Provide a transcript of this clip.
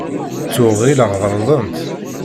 Tuɣ ɣilleɣ ɣelḍent.